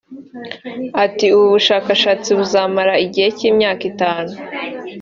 Ati “Ubu bushakashatsi buzamara igihe cy’imyaka itanu